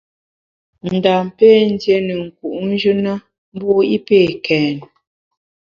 Ndam pé ndié ne nku’njù na mbu i pé kèn.